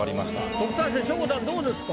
特待生しょこたんどうですか？